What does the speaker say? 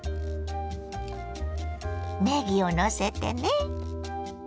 ねぎをのせてね。